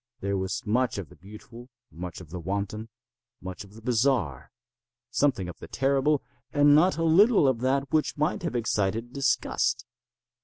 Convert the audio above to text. There was much of the beautiful, much of the wanton, much of the bizarre, something of the terrible, and not a little of that which might have excited disgust.